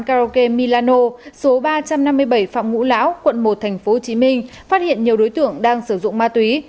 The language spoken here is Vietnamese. karaoke milano số ba trăm năm mươi bảy phạm ngũ lão quận một tp hcm phát hiện nhiều đối tượng đang sử dụng ma túy